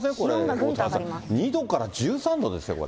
おおたわさん、２度から１３度ですよ、これ。